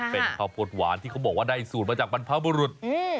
เป็นข้าวโพดหวานที่เขาบอกว่าได้สูตรมาจากบรรพบุรุษ